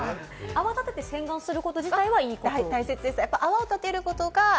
泡立てて洗顔することはいいこと。